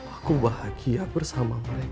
aku ingin tinggal dan hidup bersama mereka